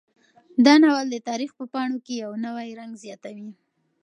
دا ناول د تاریخ په پاڼو کې یو نوی رنګ زیاتوي.